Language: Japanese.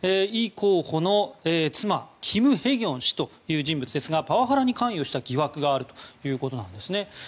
イ候補の妻・キム・ヘギョン氏という人物ですがパワハラに関与した疑惑があるということなんです。